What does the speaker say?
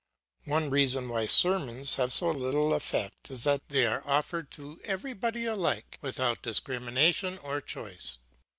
One reason why sermons have so little effect is that they are offered to everybody alike, without discrimination or choice.